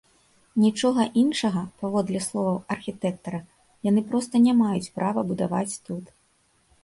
Нічога іншага, паводле словаў архітэктара, яны проста не маюць права будаваць тут.